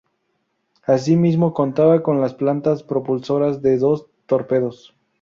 Asimismo contaba con las plantas propulsoras de dos torpedos.